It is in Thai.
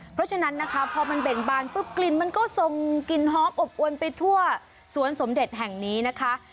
เพราะฉะนั้นนะคะพอมันเบ่งบานปุ๊บกลิ่นมันก็ส่งกลิ่นหอมอบอวนไปทั่วสวนสมเด็จแห่งนี้นะคะ